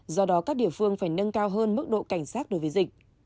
do đó các địa phương phải nâng cao hơn mức độ cảnh sát đối với dịch